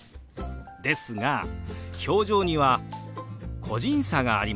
ですが表情には個人差がありますよね。